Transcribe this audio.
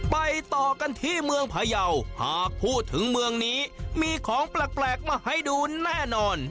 ไปต่อกันที่เมืองพยาวหากพูดถึงเมืองนี้มีของแปลกมาให้ดูแน่นอน